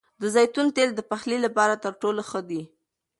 د زیتون تېل د پخلي لپاره تر ټولو ښه دي.